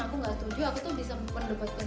aku gak setuju aku tuh bisa mendapatkan